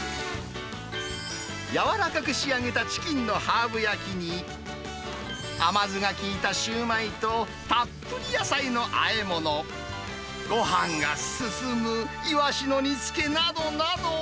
柔らかく仕上げたチキンのハーブ焼きに、甘酢が効いたシューマイとたっぷり野菜のあえ物、ごはんが進むイワシの煮つけなどなど。